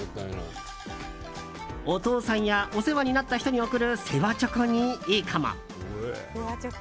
お父さんやお世話になった人に贈る世話チョコにいいかも？